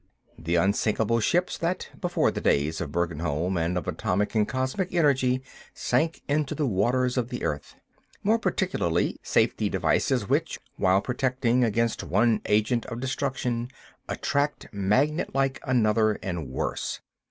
The "unsinkable" ships that, before the days of Bergenholm and of atomic and cosmic energy, sank into the waters of the earth. More particularly, safety devices which, while protecting against one agent of destruction, attract magnet like another and worse.